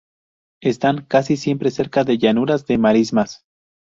Están casi siempre cerca de llanuras de marismas.